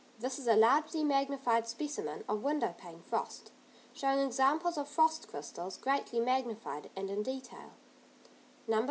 This is a largely magnified specimen of window pane frost, showing examples of frost crystals greatly magnified and in detail. No.